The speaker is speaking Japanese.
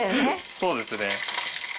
そうですね。